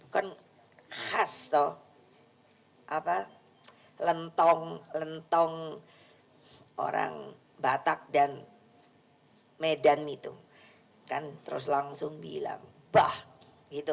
kan khas toh apa lentong lentong orang batak dan medan itu kan terus langsung bilang bah gitu